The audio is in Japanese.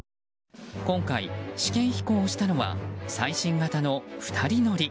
今回、試験飛行をしたのは最新型の２人乗り。